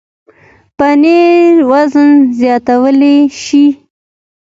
پنېر وزن زیاتولی شي.